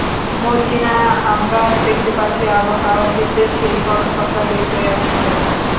মর্জিনা, আমরা দেখতে পাচ্ছি, আবহাওয়া অফিসের সেই কর্মকর্তা বের হয়ে আসছেন।